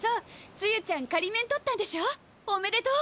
梅雨ちゃん仮免取ったんでしょおめでとう。